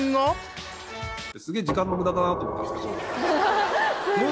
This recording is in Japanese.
すげえ時間の無駄だなと思いますけど。